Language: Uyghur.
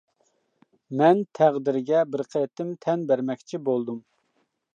مەن تەقدىرگە بىر قېتىم تەن بەرمەكچى بولدۇم.